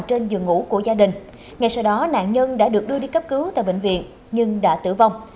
trên giường ngủ của gia đình ngay sau đó nạn nhân đã được đưa đi cấp cứu tại bệnh viện nhưng đã tử vong